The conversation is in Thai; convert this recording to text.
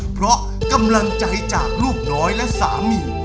เพราะกำลังใจจากลูกน้อยและสามี